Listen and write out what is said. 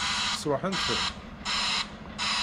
Sṛuḥen-ten?